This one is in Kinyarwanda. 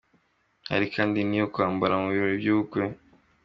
Hari kandi niyo kwambara mu birori byubukwe.